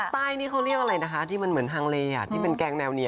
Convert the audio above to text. ใต้นี่เขาเรียกอะไรนะคะที่มันเหมือนฮังเลที่เป็นแกงแนวเนีย